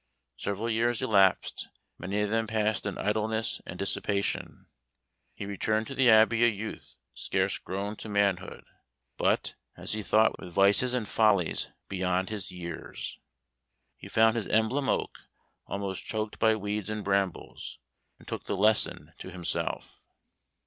Several years elapsed, many of them passed in idleness and dissipation. He returned to the Abbey a youth scarce grown to manhood, but, as he thought, with vices and follies beyond his years. He found his emblem oak almost choked by weeds and brambles, and took the lesson to himself.